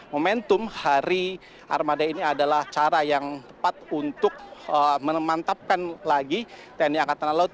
momentum hari armada ini adalah cara yang tepat untuk memantapkan lagi tni angkatan laut